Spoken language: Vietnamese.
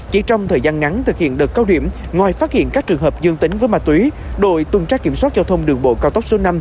chỉ trong thời gian ngắn thực hiện đợt cao điểm ngoài phát hiện các trường hợp dương tính với ma túy đội tuần tra kiểm soát giao thông đường bộ cao tốc số năm